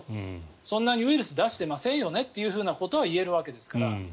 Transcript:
そんなにウイルスを出してませんよねということはいえるわけですから。